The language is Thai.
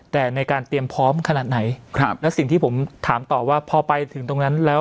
แต่ในการเตรียมพร้อมขนาดไหนครับแล้วสิ่งที่ผมถามต่อว่าพอไปถึงตรงนั้นแล้ว